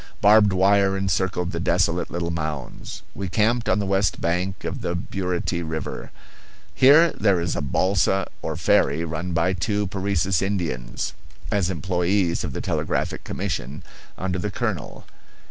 Barbed wire encircled the desolate little mounds. We camped on the west bank of the Burity River. Here there is a balsa, or ferry, run by two Parecis Indians, as employees of the Telegraphic Commission, under the colonel.